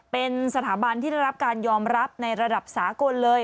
เป็นสถาบันที่ได้รับการยอมรับในระดับสากลเลย